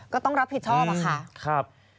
ก็ต้องรับผิดชอบอะค่ะ